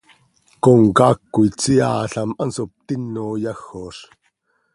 Comcaac coi tseaalam, hanso ptino yajoz.